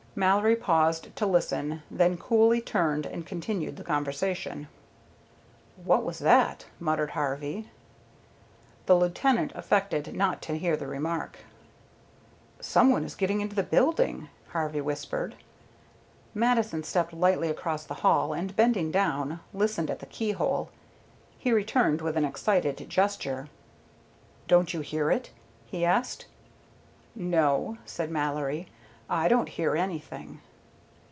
Mallory paused to listen, then coolly turned and continued the conversation. "What was that?" muttered Harvey. The lieutenant affected not to hear the remark. "Some one is getting into the building," Harvey whispered. Mattison stepped lightly across the hall and, bending down, listened at the keyhole. He returned with an excited gesture. "Don't you hear it?" he asked. "No," said Mallory. "I don't hear anything."